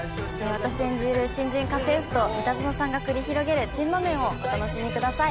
私演じる新人家政婦と三田園さんが繰り広げる珍場面をお楽しみください。